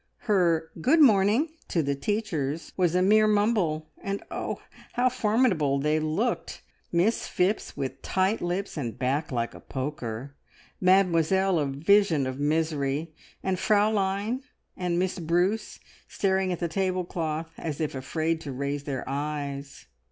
Her "good morning" to the teachers was a mere mumble, and oh, how formidable they looked! Miss Phipps with tight lips and a back like a poker; Mademoiselle, a vision of misery, and Fraulein and Miss Bruce staring at the tablecloth as if afraid to raise their eyes.